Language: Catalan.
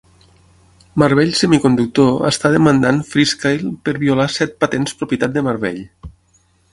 Marvell Semiconductor està demandant Freescale per violar set patents propietat de Marvell.